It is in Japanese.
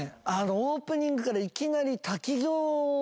オープニングからいきなり滝行を。